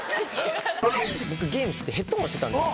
僕ゲームしててヘッドホンしてたんですよ。